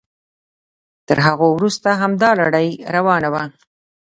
تر هغوی وروسته همدا لړۍ روانه وه.